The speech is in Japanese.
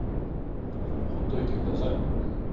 放っておいてください。